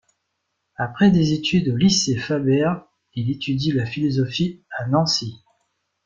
Après des études au lycée Fabert, il étudie la philosophie à Nancy.